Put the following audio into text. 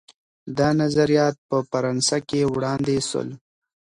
دا نظریات په فرانسه کي وړاندې سول.